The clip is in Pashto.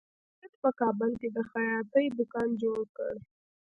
جاوید په کابل کې د خیاطۍ دکان جوړ کړ